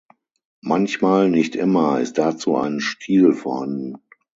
Manchmal (nicht immer) ist dazu ein Stiel vorhanden.